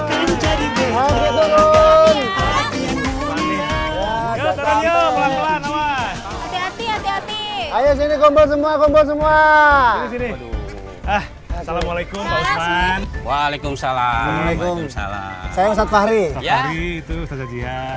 assalamualaikum waalaikumsalam waalaikumsalam